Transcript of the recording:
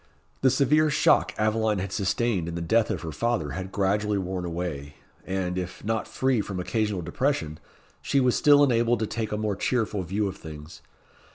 The severe shock Aveline had sustained in the death of her father had gradually worn away, and, if not free from occasional depression, she was still enabled to take a more cheerful view of things.